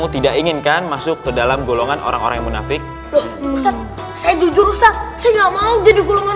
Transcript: tidak inginkan masuk ke dalam golongan orang orang yang munafik rusak saya jujur rusak saya nggak mau jadi golongan